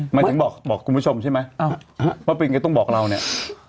หมายถึงบอกคุณผู้ชมใช่ไหมว่าเป็นไงต้องบอกเราเนี่ย